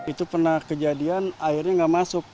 itu pernah kejadian airnya nggak masuk